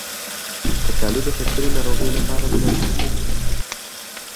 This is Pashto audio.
کچالو د شکرې ناروغانو لپاره مناسب ندی.